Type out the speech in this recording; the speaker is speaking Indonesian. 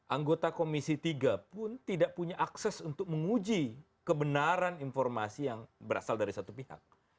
anggota komisi tiga pun tidak punya akses untuk menguji kebenaran informasi yang berasal dari satu pihak